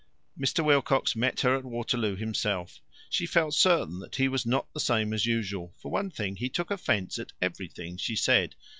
Mr. Wilcox met her at Waterloo himself. She felt certain that he was not the same as usual; for one thing, he took offence at everything she said.